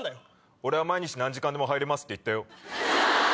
俺は毎日何時間でも入れますって言ったよ。